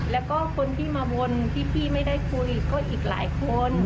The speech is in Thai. แล้วก็คนที่มาวนที่พี่ไม่ได้คุยก็อีกหลายคน